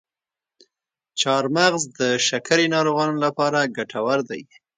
چارمغز د شکرې ناروغانو لپاره ګټور دی.